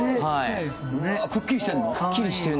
くっきりしてるの？